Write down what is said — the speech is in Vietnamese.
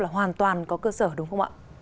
hoàn toàn có cơ sở đúng không ạ